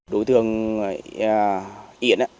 đối tượng yến